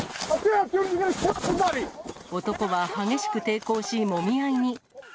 男は激しく抵抗し、もみ合いに。